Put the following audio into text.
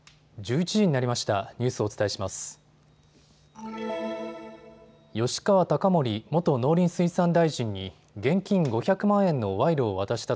１１時になりました。